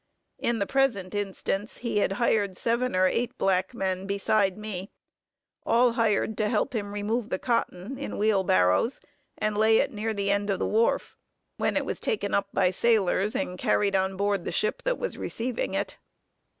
In the present instance he had seven or eight black men, beside me, all hired to help him to remove the cotton in wheel barrows, and lay it near the end of the wharf, when it was taken up by sailors and carried on board the ship that was receiving it.